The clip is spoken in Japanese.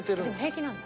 平気なの？